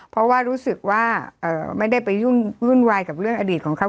เพราะว่ารู้สึกว่าไม่ได้ไปยุ่นวายกับเรื่องอดีตของเขา